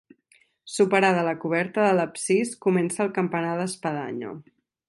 Superada la coberta de l'absis comença el campanar d'espadanya.